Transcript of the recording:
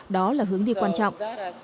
đó là hướng đi quan trọng